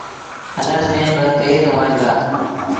هلڻ ميݩ با تيز هوئيݩ دآ ۔